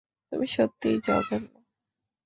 তুমি সত্যিই জঘন্য।